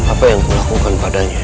apa yang kulakukan padanya